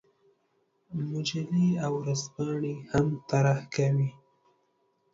مجلې او ورځپاڼې هم طراحي کوي.